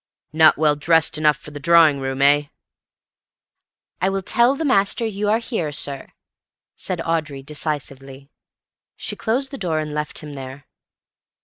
"Not well dressed enough for the drawing room, eh?" "I will tell the master you are here, sir," said Audrey decisively. She closed the door and left him there.